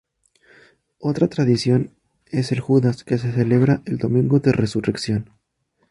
Otra tradición es el Judas que se celebra el domingo de resurrección.